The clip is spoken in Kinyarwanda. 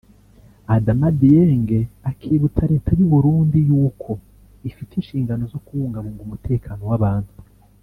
Adama Dieng akibutsa leta y’u Burundi yuko ifite inshingano zo kubungabunga umutekano w’abantu